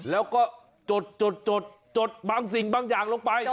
แล้วก็จดบางสิ่งบางอย่างลงไป